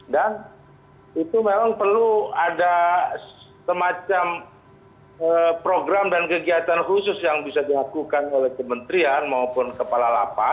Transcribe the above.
dan itu memang perlu ada semacam program dan kegiatan khusus yang bisa diakukan oleh kementerian maupun kepala la paz